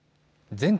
全国